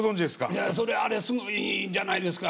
いやそれあれすごいいいんじゃないですか。